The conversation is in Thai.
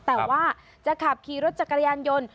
แต่ว่าจะขับขี่รถจักรยานยนต์